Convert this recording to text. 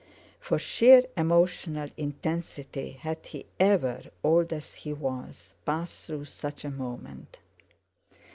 For sheer emotional intensity had he ever—old as he was—passed through such a moment?